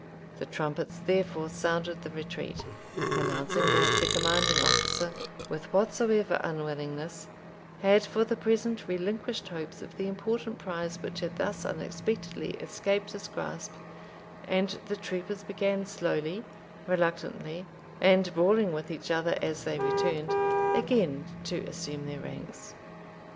The trumpets, therefore, sounded the retreat, announcing that the commanding officer, with whatsoever unwillingness, had for the present relinquished hopes of the important prize which had thus unexpectedly escaped his grasp, and the troopers began slowly, reluctantly, and brawling with each other as they returned, again to assume their ranks.